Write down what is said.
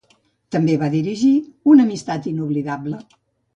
També va dirigir Una amistat inoblidable.